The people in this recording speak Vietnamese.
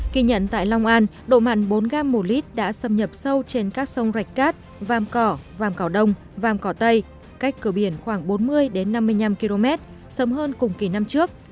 kỳ nhận tại long an độ mặn bốn gm một l đã xâm nhập sâu trên các sông rạch cát vam cỏ vam cảo đông vam cỏ tây cách cửa biển khoảng bốn mươi năm mươi năm km sớm hơn cùng kỳ năm trước